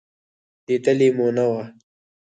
لېدلې مو نه وه.